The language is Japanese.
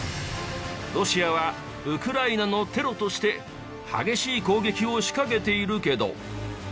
ロシアはウクライナのテロとして激しい攻撃を仕掛けているけど。